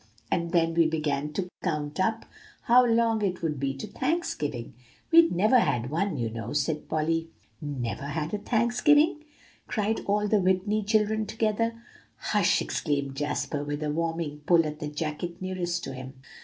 "And then we began to count up how long it would be to Thanksgiving. We'd never had one, you know," said Polly. "Never had a Thanksgiving!" cried all the Whitney children together. "Hush!" exclaimed Jasper, with a warning pull at the jacket nearest to him.